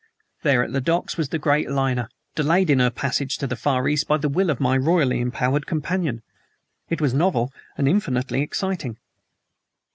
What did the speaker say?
There at the docks was the great liner, delayed in her passage to the Far East by the will of my royally empowered companion. It was novel, and infinitely exciting.